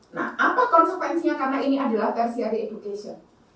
nah apa konsepensinya karena ini adalah tertiary education